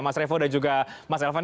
mas revo dan juga mas elvan